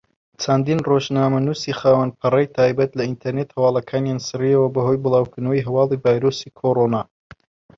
چەندین ڕۆژنامەنووسی خاوەن پەڕەی تایبەت لە ئینتەرنێت هەواڵەکانیان سڕیەوە بەهۆی بڵاوکردنەوەی هەواڵی ڤایرۆسی کۆڕۆنا.